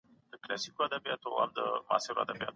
اثر د فرهنګي حافظې برخه ده.